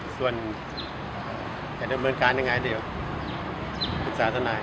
ส่วนแค่เงินบริการยังไงดีว้าฐูรศาสนาย